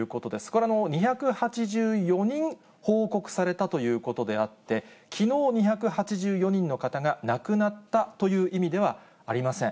これ、２８４人報告されたということであって、きのう２８４人の方が亡くなったという意味ではありません。